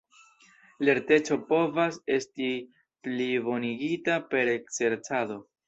Lerteco povas esti plibonigita per ekzercado.